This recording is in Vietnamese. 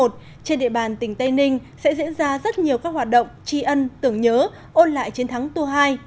trên địa bàn tỉnh tây ninh sẽ diễn ra rất nhiều các hoạt động tri ân tưởng nhớ ôn lại chiến thắng tua hai